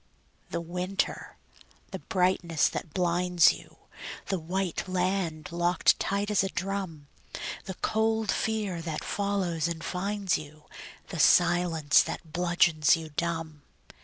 The winter! the brightness that blinds you, The white land locked tight as a drum, The cold fear that follows and finds you, The silence that bludgeons you dumb.